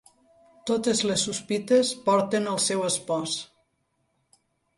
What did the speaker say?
Totes les sospites porten al seu espòs.